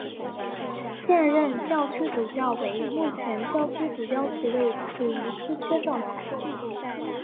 现任教区主教为目前教区主教席位处于出缺状态。